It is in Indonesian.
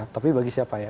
tapi bagi siapa ya